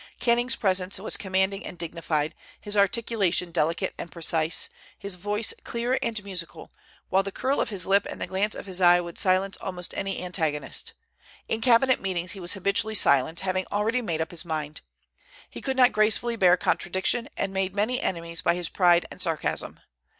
Canning's presence was commanding and dignified, his articulation delicate and precise, his voice clear and musical; while the curl of his lip and the glance of his eye would silence almost any antagonist. In cabinet meetings he was habitually silent, having already made up his mind. He could not gracefully bear contradiction, and made many enemies by his pride and sarcasm.